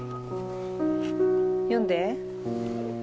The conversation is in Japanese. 読んで。